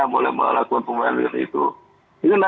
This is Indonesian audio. boleh melakukan pembelian dan lain lain itu